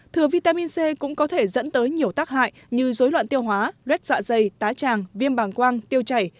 thừa vitamin c cũng có thể dẫn tới nhiều tác hại như dối loạn tiêu hóa rết dạ dày tá tràng viêm bàng quang tiêu chảy